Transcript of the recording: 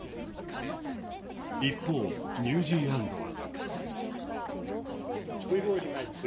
一方、ニュージーランドは。